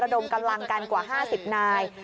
ดมกำลังกันกว่า๕๐นาย